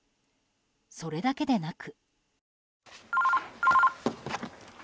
それだけでなく。